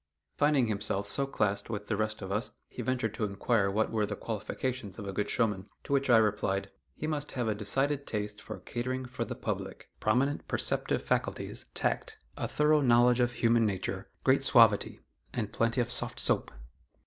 Finding himself so classed with the rest of us, he ventured to inquire "what were the qualifications of a good showman," to which I replied: "He must have a decided taste for catering for the public; prominent perceptive faculties; tact; a thorough knowledge of human nature; great suavity; and plenty of 'soft soap.